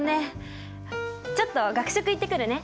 ちょっと学食行ってくるね。